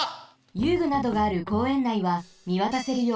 ゆうぐなどがあるこうえんないはみわたせるよう